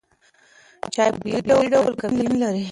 چای په طبیعي ډول کافین لري.